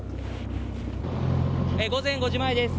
午前５時前です。